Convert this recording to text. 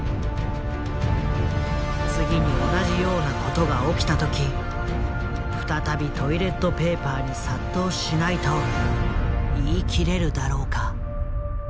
次に同じようなことが起きた時再びトイレットペーパーに殺到しないと言い切れるだろうか。